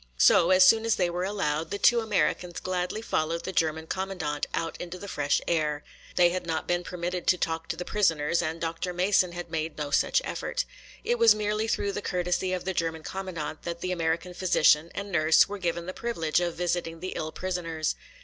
So, as soon as they were allowed, the two Americans gladly followed the German commandant out into the fresh air. They had not been permitted to talk to the prisoners and Dr. Mason had made no such effort. It was merely through the courtesy of the German commandant that the American physician and nurse were given the privilege of visiting the ill prisoners.